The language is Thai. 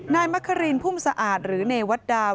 นายมะเขารินพุ่มสะอาดหรือเนวัดดาว